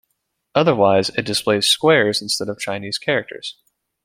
Otherwise, it displays squares instead of Chinese characters.